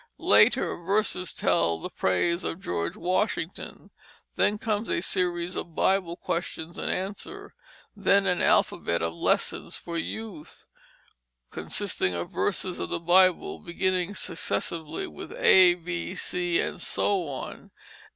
Later verses tell the praise of George Washington. Then comes a series of Bible questions and answers; then an "alphabet of lessons for youth," consisting of verses of the Bible beginning successively with A, B, C, and so on.